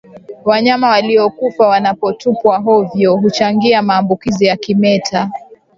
Wanyama waliokufa wanapotupwa hovyo huchangia maambukizi ya kimeta